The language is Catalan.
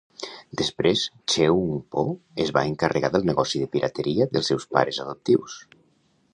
Després, Cheung Po es va encarregar del negoci de pirateria dels seus pares adoptius.